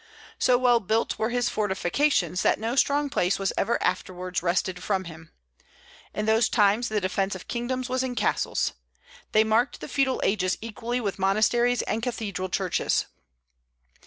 So well built were his fortifications, that no strong place was ever afterwards wrested from him. In those times the defence of kingdoms was in castles. They marked the feudal ages equally with monasteries and cathedral churches.